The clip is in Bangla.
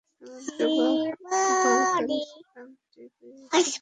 এমনকি বাগদানের আংটি পরিয়েছিল।